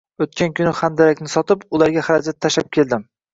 – O‘tgan kuni handalakni sotib, ularga xarajat tashlab keldim